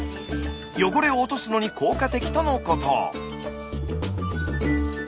汚れを落とすのに効果的とのこと。